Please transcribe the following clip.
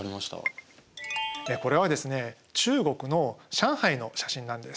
これはですね中国の上海の写真なんです。